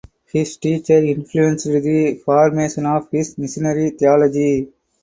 His teacher influenced the formation of his missionary theology.